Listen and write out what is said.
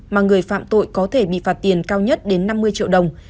mà người phạm tội có thể bị phạt tiền cao nhất đến năm mươi triệu đồng